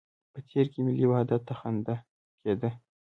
په تېر کې ملي وحدت ته خنده کېده.